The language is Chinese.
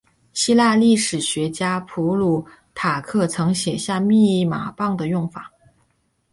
希腊历史学家普鲁塔克曾写下密码棒的用法。